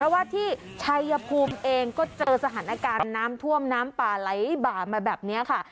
ว่าที่ชัยภูมิเองก็เจอสถานการณ์น้ำท่วมน้ำป่าไหลบ่ามาแบบนี้ค่ะ